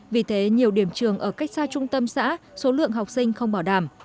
vì thế nhiều điểm trường ở cách xa trung tâm xã số lượng học sinh không bảo đảm